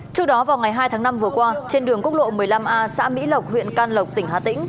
trước đó vào ngày hai tháng năm vừa qua trên đường quốc lộ một mươi năm a xã mỹ lộc huyện can lộc tỉnh hà tĩnh